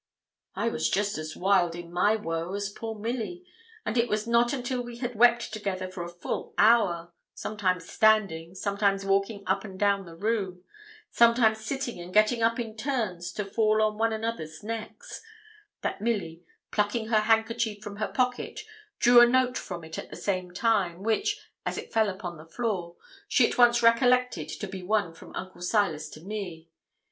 I was just as wild in my woe as poor Milly; and it was not until we had wept together for a full hour sometimes standing sometimes walking up and down the room sometimes sitting and getting up in turns to fall on one another's necks, that Milly, plucking her handkerchief from her pocket, drew a note from it at the same time, which, as it fell upon the floor, she at once recollected to be one from Uncle Silas to me.